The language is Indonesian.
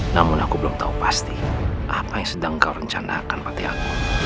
namun aku belum tahu pasti apa yang sedang kau rencanakan pakai aku